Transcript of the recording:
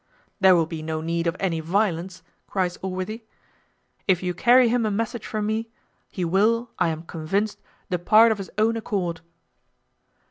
"There will be no need of any violence," cries Allworthy; "if you will carry him a message from me, he will, I am convinced, depart of his own accord."